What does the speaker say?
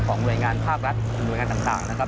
หน่วยงานภาครัฐหรือหน่วยงานต่างนะครับ